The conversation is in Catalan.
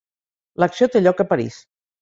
L'acció té lloc a París.